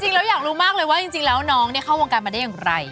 จริงแล้วอย่างรู้มากเลยว่าจริงเนี่ยน้องนี่เข้าวงการมาได้อย่างไร